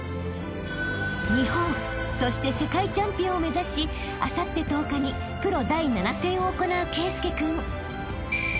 ［日本そして世界チャンピオンを目指しあさって１０日にプロ第７戦を行う圭佑君］